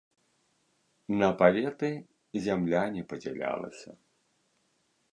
На паветы зямля не падзялялася.